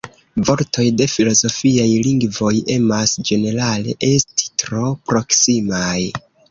Vortoj de filozofiaj lingvoj emas, ĝenerale, esti tro proksimaj.